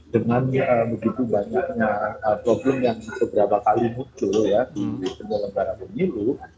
dengan begitu banyaknya problem yang beberapa kali muncul di penjara para penyeluruh